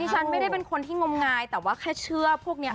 ฉันไม่ได้เป็นคนที่งมงายแต่ว่าแค่เชื่อพวกนี้